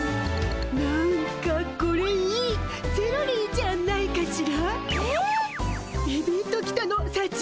「何かこれいいセロリじゃないかしら？」えっ？